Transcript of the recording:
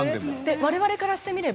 われわれからしてみれば